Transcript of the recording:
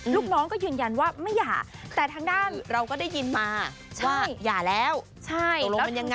ลูกน้องก็ยืนยันว่าไม่หย่าแต่ทางด้านเราก็ได้ยินมาว่าหย่าแล้วใช่แล้วยังไง